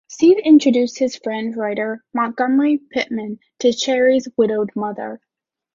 Steve introduced his friend, writer Montgomery Pittman, to Sherry's widowed mother.